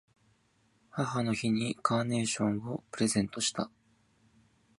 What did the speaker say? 母の日にカーネーションをプレゼントした。